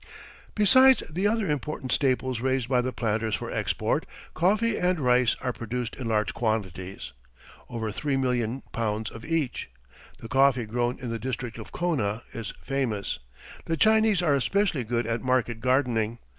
Besides the other important staples raised by the planters for export, coffee and rice are produced in large quantities over 3,000,000 pounds of each. The coffee grown in the district of Kona is famous. The Chinese are especially good at market gardening.